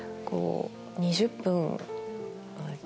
２０分。